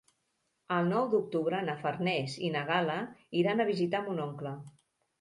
El nou d'octubre na Farners i na Gal·la iran a visitar mon oncle.